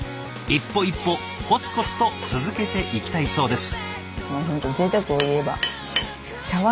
一歩一歩コツコツと続けていきたいそうです。